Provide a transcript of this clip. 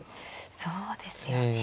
そうですよね。